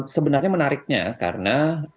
sebenarnya menariknya karena